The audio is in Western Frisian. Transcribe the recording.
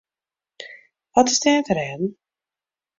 Wat is der te rêden?